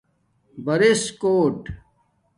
برِس کوٹ